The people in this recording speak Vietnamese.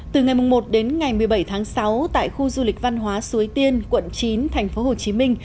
từ ngày một đến ngày một mươi bảy tháng sáu tại khu du lịch văn hóa suối tiên quận chín tp hcm